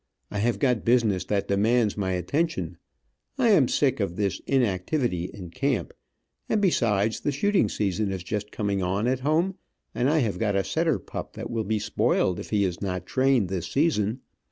I have got business that demands my attention; I am sick of this inactivity in camp, and besides the shooting season is just coming on at home, and I have got a setter pup that will be spoiled if he is not trained this season.